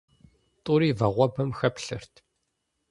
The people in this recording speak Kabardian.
Тӏури вагъуэбэм хэплъэрт.